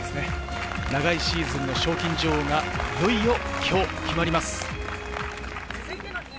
長いシーズンの賞金女王がいよいよ今日決まります。